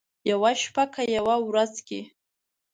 یوه شپه که یوه ورځ کې،